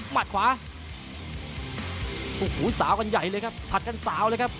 มัดขวาโอ้โหสาวกันใหญ่เลยครับผัดกันสาวเลยครับ